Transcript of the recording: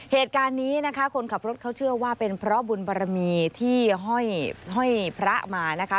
เหตุการณ์นี้นะคะคนขับรถเขาเชื่อว่าเป็นเพราะบุญบารมีที่ห้อยพระมานะคะ